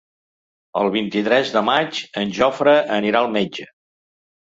El vint-i-tres de maig en Jofre anirà al metge.